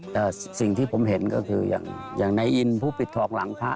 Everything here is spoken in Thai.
แต่สิ่งที่ผมเห็นก็คืออย่างนายอินผู้ปิดทองหลังพระ